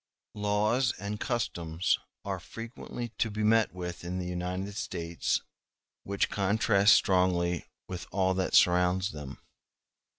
Laws and customs are frequently to be met with in the United States which contrast strongly with all that surrounds them.